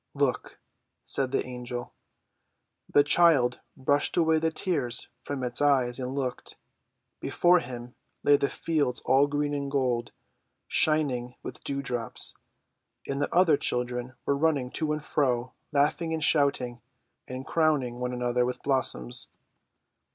"Look!" said the Angel. The child brushed away the tears from its eyes and looked. Before them lay the fields all green and gold, shining with dewdrops, and the other children were running to and fro, laughing and shouting, and crowning one another with blossoms.